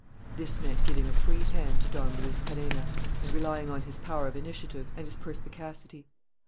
This meant giving a free hand to Don Luis Perenna and relying on his power of initiative and his perspicacity.